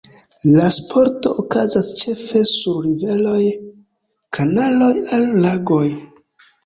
La sporto okazas ĉefe sur riveroj, kanaloj aŭ lagoj.